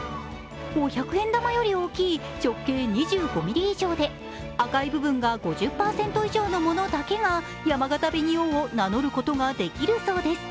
五百円玉より大きい、直径２５ミリ以上で赤い部分が５０％以上のものだけがやまがた紅王を名乗ることができるそうです。